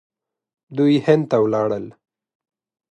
دوی هند ته ولاړل.